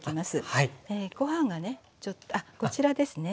でご飯がねあっこちらですね